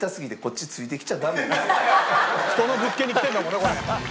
（「人の物件に来てるんだもんなこれ」